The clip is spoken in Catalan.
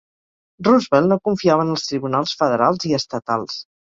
Roosevelt no confiava en els tribunals federals i estatals.